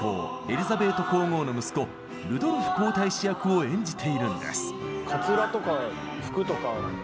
エリザベート皇后の息子ルドルフ皇太子役を演じているんです。